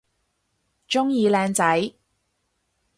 鍾意靚仔